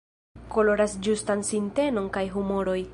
Koloras ĝustan sintenon kaj humoroj.